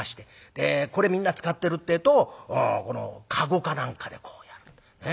でこれみんな使ってるってえとこの籠かなんかでこうやる。